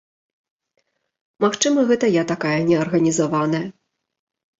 Магчыма, гэта я такая неарганізаваная.